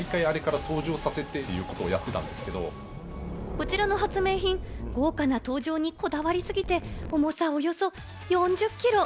こちらの発明品、豪華な登場にこだわりすぎて、重さおよそ４０キロ。